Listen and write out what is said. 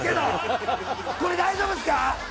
これ大丈夫ですか？